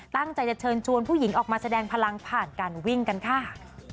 ตั้งใจจะเชิญชวนผู้หญิงออกมาแสดงพลังผ่านการวิ่งกันค่ะ